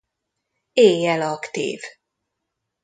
Éjjel aktív.